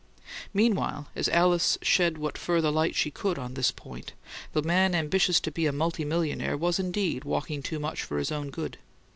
Meanwhile, as Alice shed what further light she could on this point, the man ambitious to be a "multi millionaire" was indeed walking too much for his own good.